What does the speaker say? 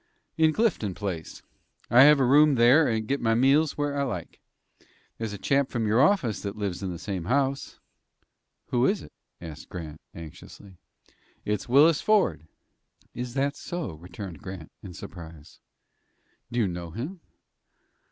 "In Clinton Place. I have a room there, and get my meals where I like. There's a chap from your office that lives in the same house." "Who is it?" asked Grant, anxiously. "It's Willis Ford." "Is that so?" returned Grant, in surprise. "Do you know him?"